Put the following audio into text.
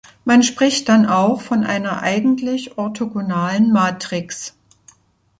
Man spricht dann auch von einer eigentlich orthogonalen Matrix.